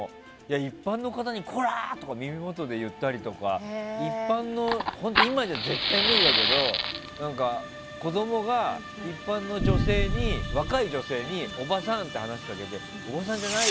一般の方にコラー！って耳元で言ったりとか今じゃ絶対無理だけど子供が、一般の若い女性におばさん！って話しかけておばさんじゃないよ